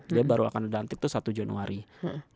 dia baru akan dilantik tuh satu jenisnya ya itu ya